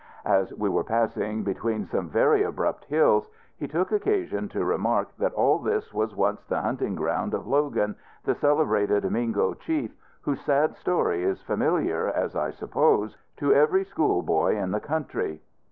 As we were passing between some very abrupt hills, he took occasion to remark that all this was once the hunting ground of Logan, the celebrated Mingo chief, whose sad story is familiar, as I suppose, to nearly every school boy in the country.